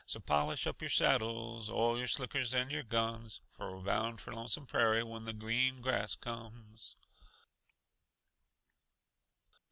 So polish up your saddles, oil your slickers and your guns, For we're bound for Lonesome Prairie when the green grass comes."